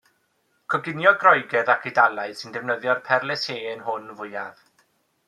Coginio Groegaidd ac Eidalaidd sy'n defnyddio'r perlysieuyn hwn fwyaf.